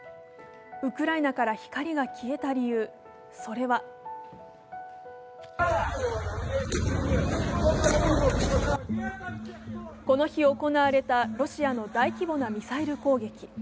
ウクライナから光が消えた理由、それはこの日行われたロシアの大規模なミサイル攻撃。